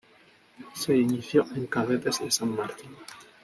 Se inició en Cadetes de San Martín.